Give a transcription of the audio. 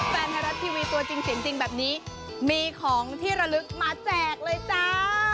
แฟนธรรมดิวิตัวจริงแบบนี้มีของที่ระลึกมาแจกเลยจ้า